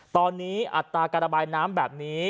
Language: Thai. ตอนนี้อัตราการระบายน้ำแบบนี้